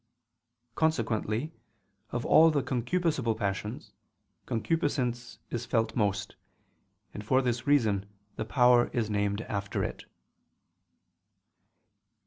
Consequently of all the concupiscible passions, concupiscence is felt most; and for this reason the power is named after it.